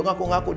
ini aku beautiful